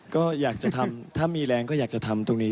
ก็อยากจะทำถ้ามีแรงก็อยากจะทำตรงนี้